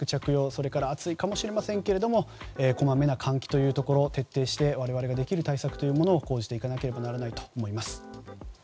それから、暑いかもしれませんがこまめな換気を徹底して、我々ができる対策を講じていかなければならないと思います。